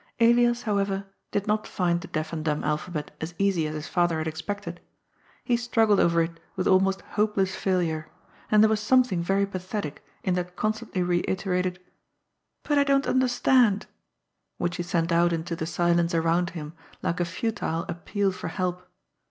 Elias, however, did not find the deaf and dumb alphabet as easy as his father had expected. He struggled over it with almost hopeless failure, and there was something very pathetic in that constantly reiterated, " But I don't understand," which he sent out into the silence around him like a futile appeal for help.